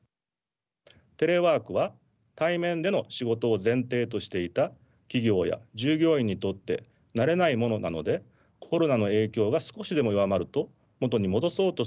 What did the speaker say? テレワークは対面での仕事を前提としていた企業や従業員にとって慣れないものなのでコロナの影響が少しでも弱まると元に戻そうとする動きが見られます。